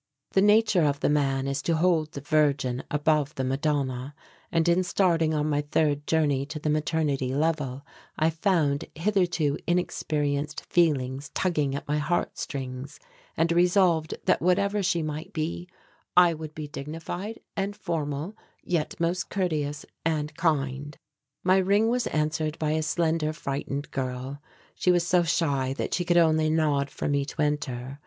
The nature of the man is to hold the virgin above the madonna, and in starting on my third journey to the maternity level, I found hitherto inexperienced feelings tugging at my heartstrings and resolved that whatever she might be, I would be dignified and formal yet most courteous and kind. My ring was answered by a slender, frightened girl. She was so shy that she could only nod for me to enter.